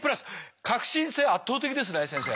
革新性圧倒的ですね先生。